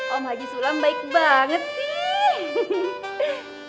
om haji sulam baik banget sih